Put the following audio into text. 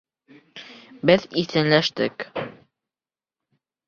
Беҙ иҫәнләштек...